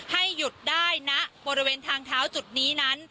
ให้หยุดได้ณบริเวณทางเท้าจุดนี้นั้น